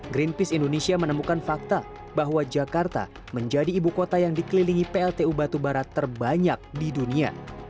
greenpeace indonesia menemukan fakta bahwa jakarta menjadi ibu kota yang dikelilingi pltu batubara terbanyak di dunia